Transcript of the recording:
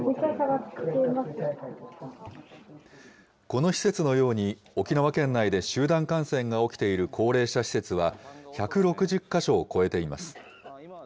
この施設のように、沖縄県内で集団感染が起きている高齢者施設は、１６０か所を超えています。